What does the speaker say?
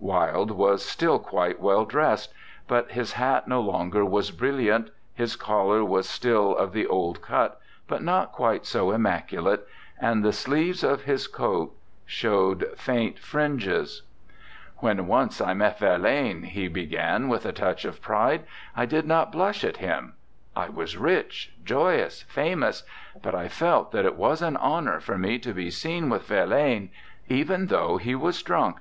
Wilde was still quite well dressed; but his hat no longer was brilliant, his collar was still of the old cut, but not quite so immaculate, and the sleeves of his coat showed faint fringes. 64 ANDRE GIDE "When once I met Verlaine," he be gan, with a touch of pride, " I did not blush at him. I was rich, joyous, famous, but I felt that it was an honor for me to be seen with Verlaine, even though he was drunk."